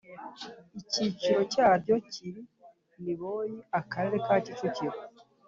Icyiciro cyaryo kiri Niboyi Akarere ka Kicukiro